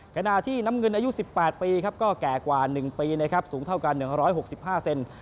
ขณะที่น้ำเงินอายุ๑๘ปีครับก็แก่กว่า๑ปีนะครับสูงเท่ากัน๑๖๕เซน